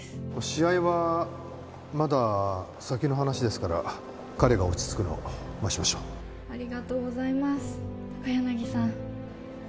試合はまだ先の話ですから彼が落ち着くのを待ちましょうありがとうございます高柳さん